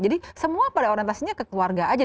jadi semua pada orientasinya ke keluarga aja